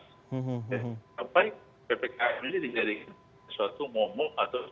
sampai ppkm ini menjadi suatu momok atau suatu